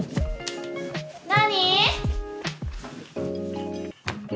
何？